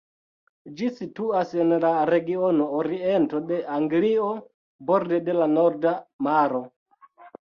Ĝi situas en la regiono Oriento de Anglio, borde de la Norda Maro.